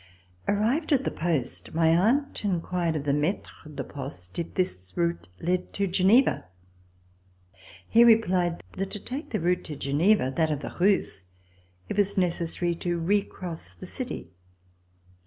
Arrived at the post, my aunt inquired of the maitre de poste if this route led to Geneva. He replied that to take the route to Geneva, that of the Rousses, it was necessary to recross the city.